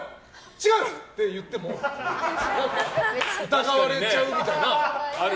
違う！って言っても疑われちゃうみたいな。